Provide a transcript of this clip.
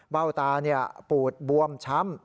เบ้าตาปูดบวมช้ำ